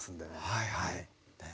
はいはいね